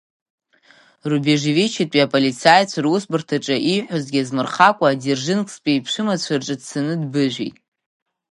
Рубежевичетәи аполицаицәа русбарҭаҿы ииҳәозгьы азмырхакәа, Ӡержинсктәи иԥшәмацәа рҿы дцаны дбыжәит…